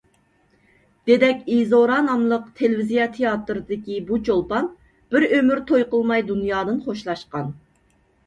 «دېدەك ئىزورا» ناملىق تېلېۋىزىيە تىياتىرىدىكى بۇ چولپان بىر ئۆمۈر توي قىلماي دۇنيادىن خوشلاشقان.